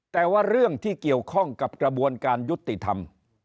แต่ว่าเรื่องที่เกี่ยวข้องกับกระบวนการยุติธรรม